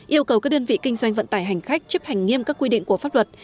yêu cầu các đơn vị kinh doanh vận tải hành khách chấp hành nghiêm các quy định của pháp luật